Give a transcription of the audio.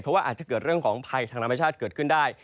เพราะว่าอาจจะเกิดเรื่องของภัยทางธรรมชาติเกิดขึ้นได้